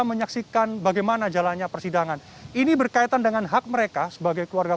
menyaksikan bagaimana jalannya persidangan ini berkaitan dengan hak mereka sebagai keluarga